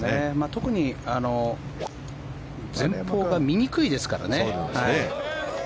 特に前方が見にくいですからね。